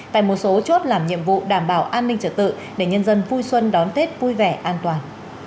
tại một số chốt làm nhiệm vụ đảm bảo an ninh trở tự để nhân dân vui xuân đón tết vui vẻ an toàn